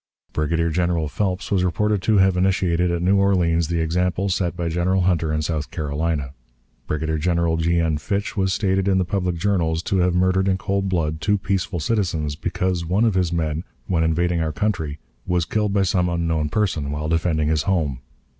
Brigadier General Phelps was reported to have initiated at New Orleans the example set by General Hunter in South Carolina. Brigadier General G. N. Fitch was stated in the public journals to have murdered in cold blood two peaceful citizens, because one of his men, when invading our country, was killed by some unknown person while defending his home.